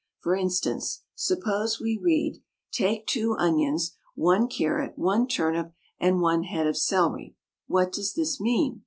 For instance, suppose we read, "Take two onions, one carrot, one turnip, and one head of celery," what does this mean?